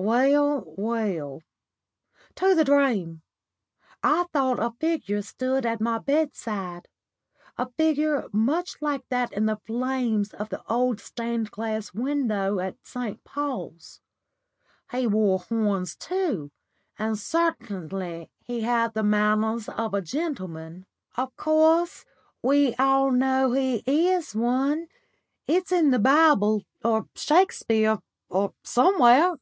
"Well, well. To the dream. I thought a figure stood at my bedside a figure much like that in the flames on the old stained glass window at St. Paul's. He wore horns too, but certainly he had the manners of a gentleman. Of course we all know he is one. It's in the Bible, or Shakespeare, or somewhere."